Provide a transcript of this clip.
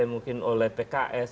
mungkin oleh pks